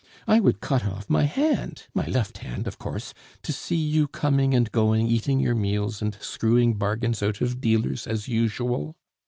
I would cut off my hand my left hand, of course to see you coming and going, eating your meals, and screwing bargains out of dealers as usual.